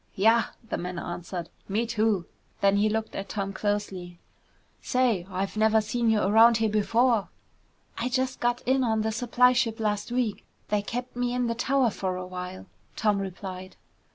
"Yah," the man answered, "me too!" Then he looked at Tom closely. "Say, I've never seen you around here before!" "I just got in on the supply ship last week. They kept me in the tower for a while," Tom replied.